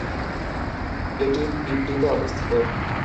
এটি পিবডিতে অবস্থিত।